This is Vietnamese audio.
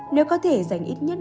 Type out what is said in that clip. nếu có thể dành ít nhất